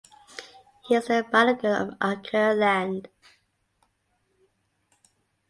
He is the Balogun of Akure Land.